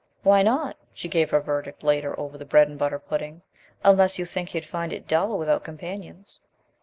"Why not?" she gave her verdict later over the bread and butter pudding; "unless you think he'd find it dull without companions."